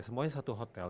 semuanya satu hotel